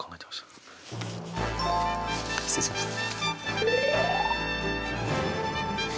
失礼しました。